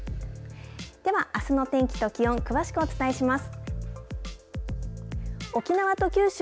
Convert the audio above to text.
では、あすの天気と気温詳しくお伝えします。